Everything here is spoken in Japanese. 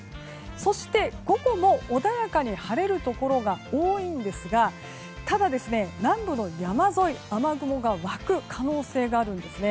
そして、午後も穏やかに晴れるところが多いんですがただ、南部の山沿い雨雲が湧く可能性があるんです。